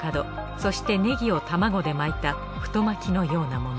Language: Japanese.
そしてネギを玉子で巻いた太巻きのようなもの。